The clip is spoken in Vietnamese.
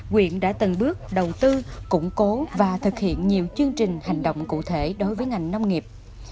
quyện đã từng bước đầu tư củng cố và thực hiện nhiều chương trình hành động cụ thể đối với ngành nông nghiệp